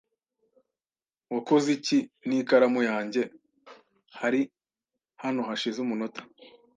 Wakoze iki n'ikaramu yanjye? Hari hano hashize umunota.